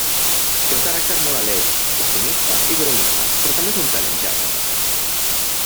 Té un caràcter molt alegre, optimista i bromista, però també és un pèl ingènua.